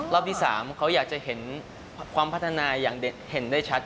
รอบที่๓เขาอยากจะเห็นความพัฒนาอย่างเห็นได้ชัด